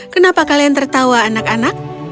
kenapa kalian tertawa anak anak